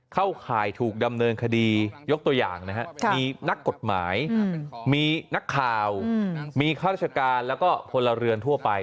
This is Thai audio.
ข่ายถูกดำเนินคดียกตัวอย่างนะครับมีนักกฎหมายมีนักข่าวมีข้าราชการแล้วก็พลเรือนทั่วไป